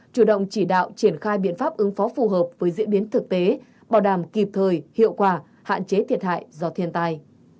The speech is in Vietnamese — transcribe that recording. chủ động chỉ đạo triển khai biện pháp ứng phó phù hợp với diễn biến thực tế bảo đảm kịp thời hiệu quả hạn chế thiệt hại do thiên tai